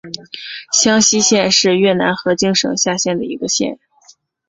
香溪县是越南河静省下辖的一县。